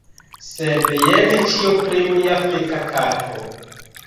Sed, jen ĉio pri mia feka kato.